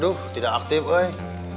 aduh tidak aktif weh